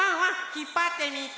ひっぱってみて！